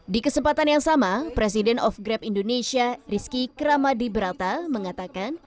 di kesempatan yang sama presiden of grab indonesia rizky kramadi brata mengatakan